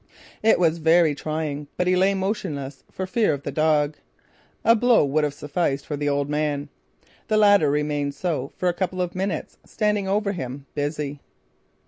It was very trying but he lay motionless, for fear of the dog. A blow would have sufficed for the old man. The latter remained so for a couple of minutes, standing over him, busy.